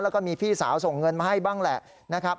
แล้วก็มีพี่สาวส่งเงินมาให้บ้างแหละนะครับ